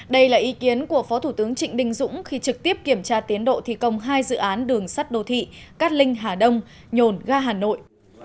đây là ý kiến của phó thủ tướng trịnh đình dũng khi trực tiếp kiểm tra tiến độ thi công hai dự án đường sắt đô thị cát linh hà đông nhồn ga hà nội